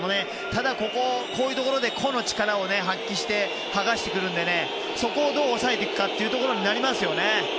ただ、こういうところで個の力を発揮して剥がしてくるのでそこをどう抑えていくかということになりますよね。